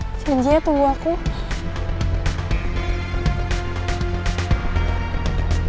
p yenjang tuh di wakesteem ya